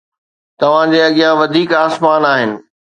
توهان جي اڳيان وڌيڪ آسمان آهن